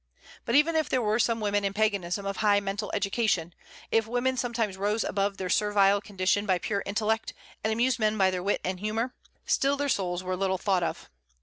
But even if there were some women in Paganism of high mental education, if women sometimes rose above their servile condition by pure intellect, and amused men by their wit and humor, still their souls were little thought of.